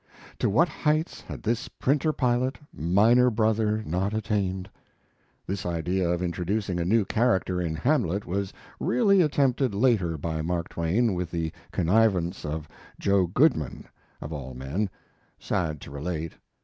To what heights had this printer pilot, miner brother not attained! [This idea of introducing a new character in Hamlet was really attempted later by Mark Twain, with the connivance of Joe Goodman [of all men], sad to relate.